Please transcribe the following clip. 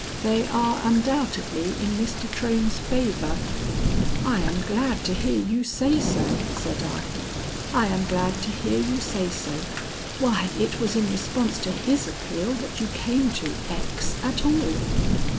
They are undoubtedly in Mr. Trohm's favor." "I am glad to hear you say so," said I, "I am glad to hear you say so. Why, it was in response to his appeal that you came to X. at all."